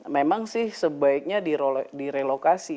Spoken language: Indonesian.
memang sih sebaiknya direlokasi